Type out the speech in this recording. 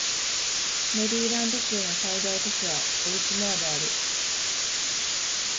メリーランド州の最大都市はボルチモアである